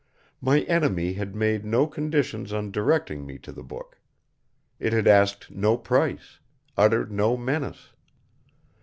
My enemy had made no conditions on directing me to the book. It had asked no price, uttered no menace.